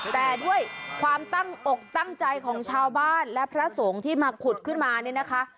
แต่ด้วยความตั้งอกตั้งใจของชาวบ้านและพระสงฆ์ที่มาขุดขึ้นมาเนี่ยนะคะ